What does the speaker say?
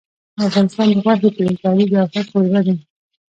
افغانستان د غوښې د تولید یو ښه کوربه دی.